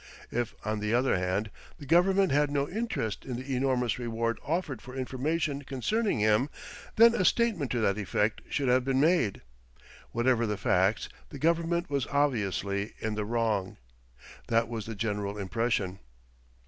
If on the other hand the Government had no interest in the enormous reward offered for information concerning him, then a statement to that effect should have been made. Whatever the facts, the Government was obviously in the wrong. That was the general impression.